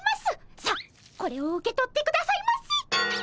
さあこれを受け取ってくださいませ。